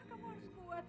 dia yang salah